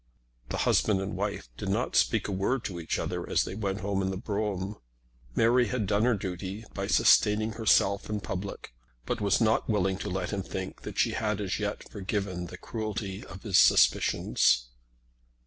The husband and wife did not speak a word to each other as they went home in the brougham. Mary had done her duty by sustaining herself in public, but was not willing to let him think that she had as yet forgiven the cruelty of his suspicions.